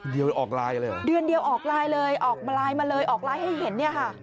เดือนออกลายเลยเดือนเดียวออกลายเลยออกมาลายมาเลยออกลายให้เห็น